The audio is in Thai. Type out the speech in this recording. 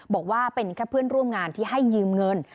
บอกว่าเป็นแค่เพื่อนร่วมงานที่ให้ยืมเงิน